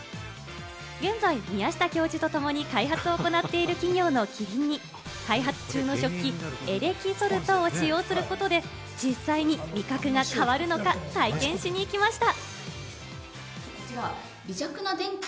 現在、宮下教授とともに開発を行っている企業のキリンに開発中の食器・エレキソルトを使用することで、実際に味覚が変わるのか体験しに行きました。